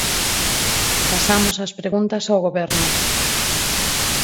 Pasamos ás preguntas ao Goberno.